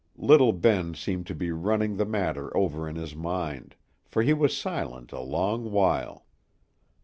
Little Ben seemed to be running the matter over in his mind, for he was silent a long while.